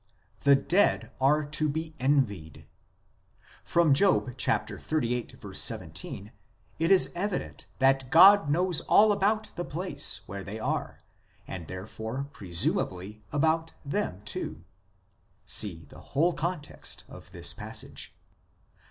The dead are to be envied. From Job xxxviii. 17 it is evident that God knows all about the place where they are, and therefore presumably about them too (see the whole context of this passage).